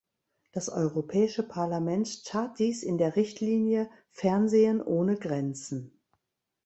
Das Europäische Parlament tat dies in der Richtlinie "Fernsehen ohne Grenzen" .